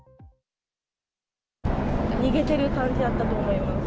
逃げてる感じやったと思います。